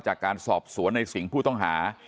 จากการสอบสวนในสิงห์ผู้ต้องหา